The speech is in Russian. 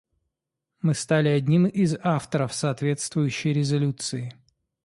Мы стали одним из авторов соответствующей резолюции.